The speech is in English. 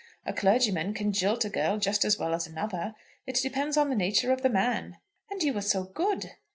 A clergyman can jilt a girl just as well as another. It depends on the nature of the man." "And you were so good."